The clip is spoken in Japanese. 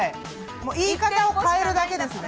言い方を変えるだけですね。